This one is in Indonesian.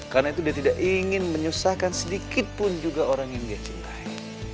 karena itu dia tidak ingin menyusahkan sedikit pun juga orang yang dia cintai